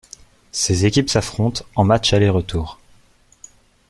Ces équipes s'affrontent en matches aller-retour.